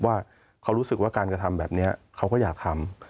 ว่าเขารู้สึกว่าการกระทำแบบนี้เขาก็อยากทำ